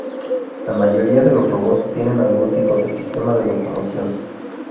La mayoría de los robots tiene algún tipo de sistema de locomoción.